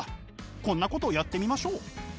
こんなことをやってみましょう。